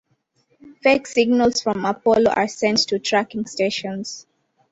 Fake signals from Apollo are sent to tracking stations.